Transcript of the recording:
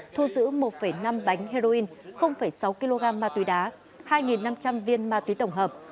thu giữ một năm bánh heroin sáu kg ma túy đá hai năm trăm linh viên ma túy tổng hợp